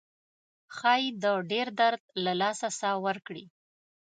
ښایي د ډیر درد له لاسه ساه ورکړي.